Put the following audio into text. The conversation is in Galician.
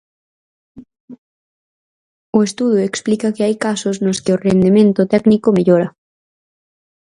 O estudo explica que hai casos nos que o rendemento técnico mellora.